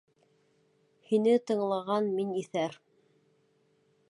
Һине тыңлаған мин иҫәр!